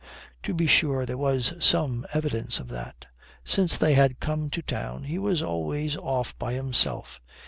To be sure there was some evidence for that. Since they had come to town, he was always off by himself.